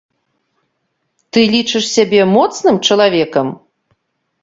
Ты лічыш сябе моцным чалавекам?